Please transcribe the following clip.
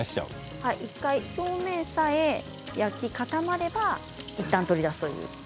表面さえ焼き固まればいったん取り出す。